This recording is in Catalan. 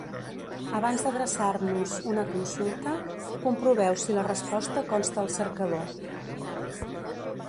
Abans d'adreçar-nos una consulta, comproveu si la resposta consta al cercador.